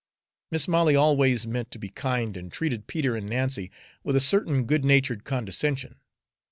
Mis' Molly always meant to be kind, and treated Peter and Nancy with a certain good natured condescension.